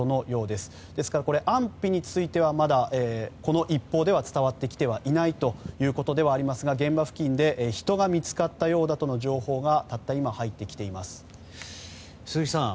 ですから、安否についてはまだこの一報では伝わってきていないということですが現場付近で人が見つかったようだとの情報が鈴木さん